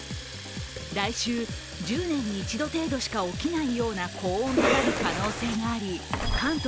来週１０年に一度程度しか起きないような高温となる可能性があり関東